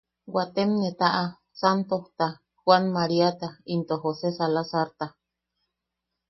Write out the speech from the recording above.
Waatem ne taʼa, Santojta, Joan Maríata into Jose Salazarta.